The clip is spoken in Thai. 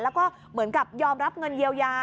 แล้วก็เหมือนกับยอมรับเงินเยียวยา